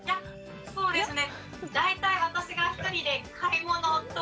そうですね。